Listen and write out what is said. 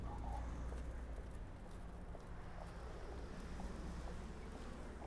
Huwavutia wapenzi wa muziki wa taarab kisiwani Zanzibar na duniani kwa ujumla